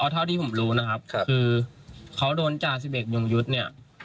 เท่าที่ผมรู้นะครับคือเขาโดนจ่าสิบเอกยงยุทธ์เนี่ย